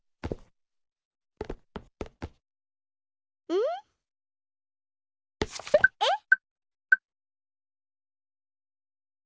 うん？えっ？